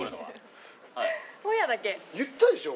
言ったでしょ？